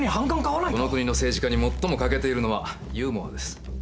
この国の政治家にもっとも欠けているのはユーモアです。